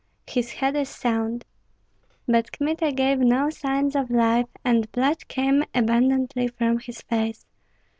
"His head is sound." But Kmita gave no signs of life, and blood came abundantly from his face.